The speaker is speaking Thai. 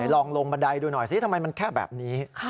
ลองลงบันไดดูหน่อยซิทำไมมันแค่แบบนี้